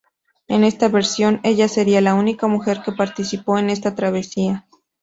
En esta versión ella sería la única mujer que participó en esta travesía.